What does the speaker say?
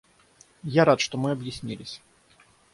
Я рад, что мы объяснились.